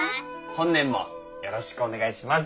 本年もよろしくお願いします。